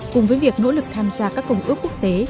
cùng với việc nỗ lực tham gia các công ước quốc tế